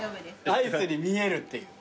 アイスに見えるっていう。